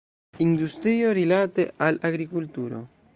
Industrio rilate al agrikulturo.